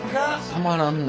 たまらんな。